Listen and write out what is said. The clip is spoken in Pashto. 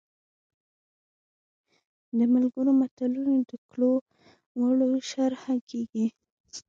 د ملګرو ملتونو د کړو وړو شرحه کیږي.